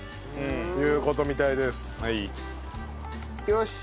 よし。